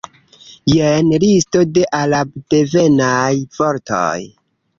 Jen listo de arabdevenaj vortoj.